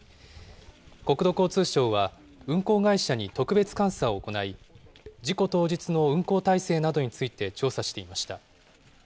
国土交通省は、運航会社に特別監査を行い、事故当日の運航体制などについて調査していました。